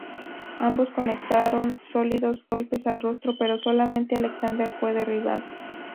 Ambos conectaron sólidos golpes al rostro pero solamente Alexander fue derribado.